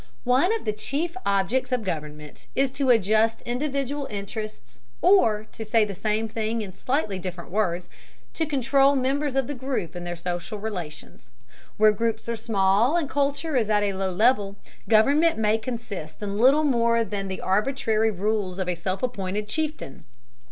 One of the chief objects of government is to adjust individual interests, or, to say the same thing in slightly different words, to control members of the group in their social relations. Where groups are small and culture is at a low level, government may consist in little more than the arbitrary rules of a self appointed chieftain.